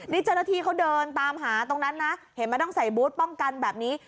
นี่เจ้าหน้าที่เขาเดินตามหาตรงนั้นนะเห็นไหมต้องใส่บูธป้องกันแบบนี้